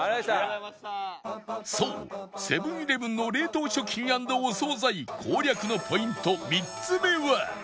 そうセブン−イレブンの冷凍食品＆お惣菜攻略のポイント３つ目は